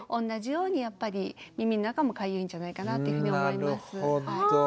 同じようにやっぱり耳の中もかゆいんじゃないかなっていうふうに思います。